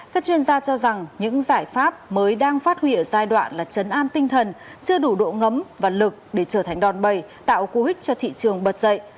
các chuyên gia cho rằng những giải pháp mới đang phát huy ở giai đoạn là chấn an tinh thần chưa đủ độ ngấm và lực để trở thành đòn bầy tạo cú hích cho thị trường bật dậy